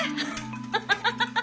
ハハハハハ！